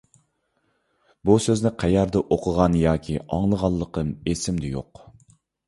بۇ سۆزنى قەيەردە ئوقۇغان ياكى ئاڭلىغانلىقىم ئېسىمدە يوق.